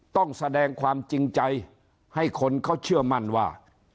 ต้องแสดงความจริงใจให้คนเขาเชื่อมั่นว่า